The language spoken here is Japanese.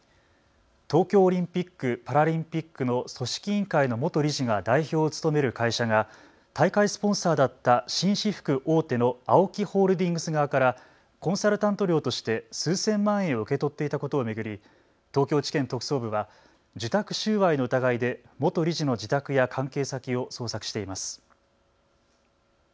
東京オリンピック・パラリンピックの組織委員会の元理事が代表を務める会社が大会スポンサーだった紳士服大手のＡＯＫＩホールディングス側からコンサルタント料として数千万円を受け取っていたことを巡り東京地検特捜部は受託収賄の疑いで元理事の自宅や関係先を捜索しています。